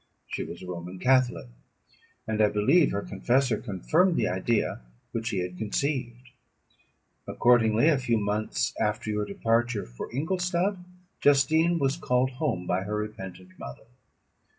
She was a Roman catholic; and I believe her confessor confirmed the idea which she had conceived. Accordingly, a few months after your departure for Ingolstadt, Justine was called home by her repentant mother.